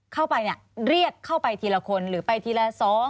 เข้าไปเรียกเข้าไปทีละคนหรือไปทีละ๒